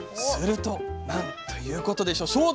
するとなんということでしょう。